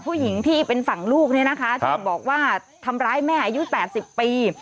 ผู้หญิงที่เป็นฝั่งลูกเนี่ยนะคะที่บอกว่าทำร้ายแม่อายุ๘๐ปี